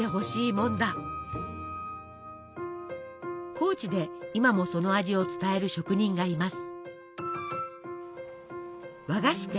高知で今もその味を伝える職人がいます。